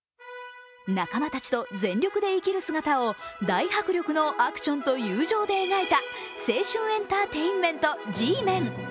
仲間たちと全力で生きる姿を大迫力のアクションと友情で描いた青春エンターテインメント「Ｇメン」。